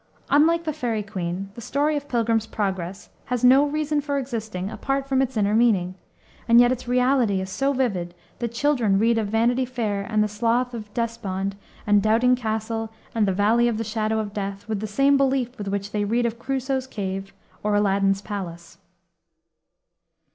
Unlike the Faery Queene, the story of Pilgrim's Progress has no reason for existing apart from its inner meaning, and yet its reality is so vivid that children read of Vanity Fair and the Slough of Despond and Doubting Castle and the Valley of the Shadow of Death with the same belief with which they read of Crusoe's cave or Aladdin's palace.